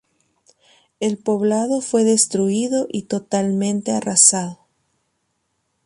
El poblado fue destruido y totalmente arrasado.